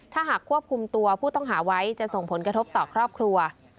ถ้าหากควบคุมตัวผู้ต้องหาไว้จะส่งผลกระทบต่อครอบครัว